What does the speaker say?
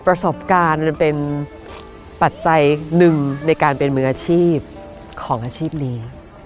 ประสบการณ์มันเป็นปัจจัยหนึ่งในการเป็นมืออาชีพของอาชีพนี้